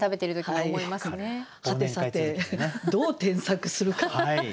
はてさてどう添削するか。